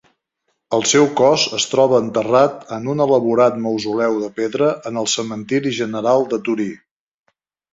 El seu cos es troba enterrat en un elaborat mausoleu de pedra en el cementiri general de Torí.